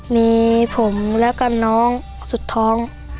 มีผมแล้วก็น้องสุดท้อง